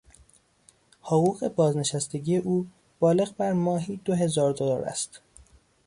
حقوق بازنشستگی او بالغ بر ماهی دو هزار دلار است.